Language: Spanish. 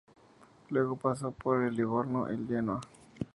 Luego pasó por el Livorno y el Genoa.